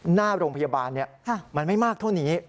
หน้าโรงพยาบาลมันไม่มากเท่านี้